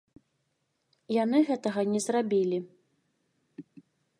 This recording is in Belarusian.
Яны гэтага не зрабілі.